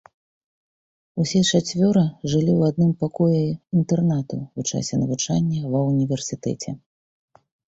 Усе чацвёра жылі ў адным пакоі інтэрнату ў часе навучання ва ўніверсітэце.